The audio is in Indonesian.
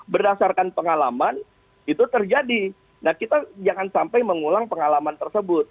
berdasarkan pengalaman itu terjadi nah kita jangan sampai mengulang pengalaman tersebut